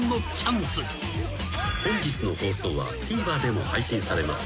［本日の放送はＴＶｅｒでも配信されます。